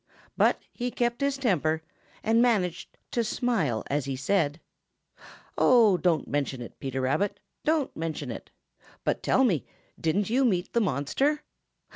But he kept his temper and managed to smile, as he said: "Oh, don't mention it, Peter Rabbit, don't mention it. But tell me, didn't you meet the monster?"